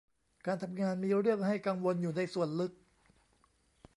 การทำงานมีเรื่องให้กังวลอยู่ในส่วนลึก